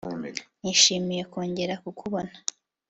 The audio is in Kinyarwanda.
Nishimiye kongera kukubona